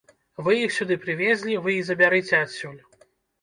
Вы іх сюды прывезлі, вы і забярыце адсюль!